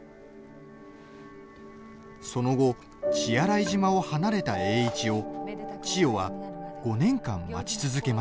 その後、血洗島を離れた栄一を千代は５年間待ち続けました。